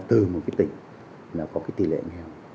từ một tỉnh có tỷ lệ nghèo